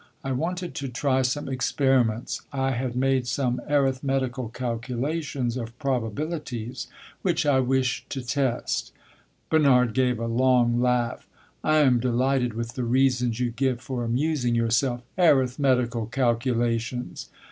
I wanted to try some experiments. I had made some arithmetical calculations of probabilities, which I wished to test." Bernard gave a long laugh. "I am delighted with the reasons you give for amusing yourself! Arithmetical calculations!"